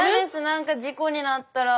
何か事故になったら。